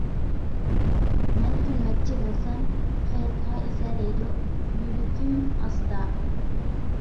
مەن كۈلمەكچى بولسام ھاياتقا ئېسەدەيدۇ يۈرىكىم ئاستا.